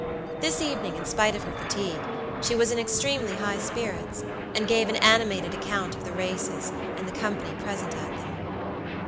This evening, in spite of her fatigue, she was in extremely high spirits, and gave an animated account of the races, and the company present at them.